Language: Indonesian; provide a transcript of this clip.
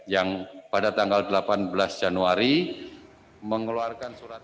yang pada tanggal delapan belas januari mengeluarkan surat